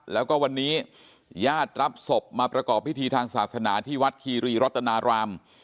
แล้วก็วันนี้ญาติรับศพมาประกอบพิธีทางศาสนาที่วัดคีรีรัตนาราม